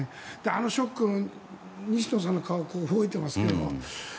あのショック、西野さんの顔覚えてますけど。